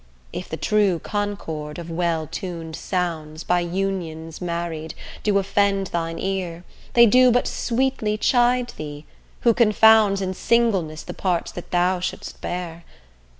If the true concord of well tuned sounds, By unions married, do offend thine ear, They do but sweetly chide thee, who confounds In singleness the parts that thou shouldst bear.